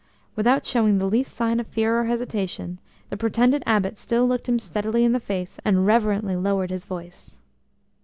Without showing the least sign of fear or hesitation, the pretended Abbot still looked him steadily in the face, and reverently lowered his voice.